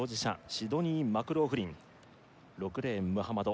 シドニー・マクローフリン６レーンムハマド